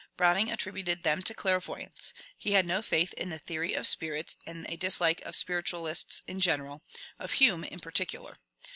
Browning attributed them to '« clairvoyance ;" he had no faith in the theory of spirits, and a dislike of spiritualists in general, of Hume in particular.